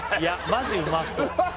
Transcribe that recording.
マジうまそう